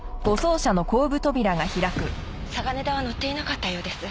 嵯峨根田は乗っていなかったようです。